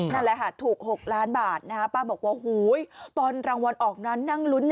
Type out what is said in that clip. นั่นแหละค่ะถูก๖ล้านบาทนะฮะป้าบอกว่าหูยตอนรางวัลออกนั้นนั่งลุ้น